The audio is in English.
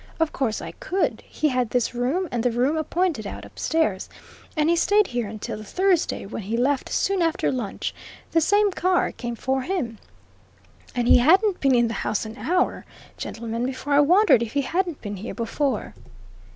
Of course I could he had this room and the room I pointed out upstairs, and he stayed here until the Thursday, when he left soon after lunch the same car came for him. And he hadn't been in the house an hour, gentlemen, before I wondered if he hadn't been here before."